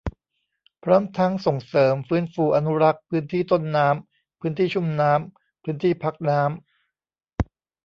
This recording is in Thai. พร้อมทั้งส่งเสริม ฟื้นฟู อนุรักษ์ พื้นที่ต้นน้ำ พื้นที่ชุ่มน้ำ พื้นที่พักน้ำ